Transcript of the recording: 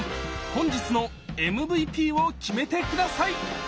本日のＭＶＰを決めて下さい！